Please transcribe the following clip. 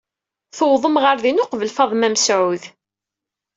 Tuwḍem ɣer din uqbel Faḍma Mesɛud.